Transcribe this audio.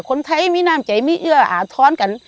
คนไทยมีน้ำใจมีเอื้ออาท้อนกัน